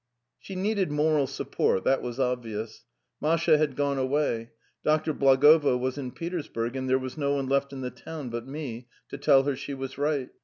" She needed moral support. That was obvious. Masha had gone, Doctor Blagovo was in Petersburg, and there was no one except myself in the town, who 114 MY LIFE could tell her that she was right.